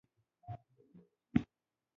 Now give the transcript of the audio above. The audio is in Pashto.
مجاهد د الله د دین خادم وي.